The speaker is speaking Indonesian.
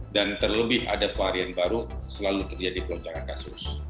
dan terlebih ada varian baru selalu terjadi peloncangan kasus